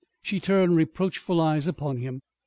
She turned reproachful eyes upon him.